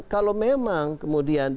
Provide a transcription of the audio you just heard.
kalau memang kemudian